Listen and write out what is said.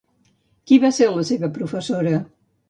Qui va ser la seva professora?